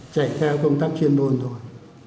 chạy theo công tác chuyên môn thôi